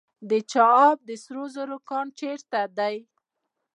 د چاه اب د سرو زرو کان چیرته دی؟